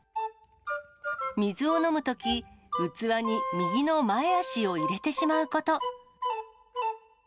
水を飲むとき、器に右の前足を入れてしまうこと。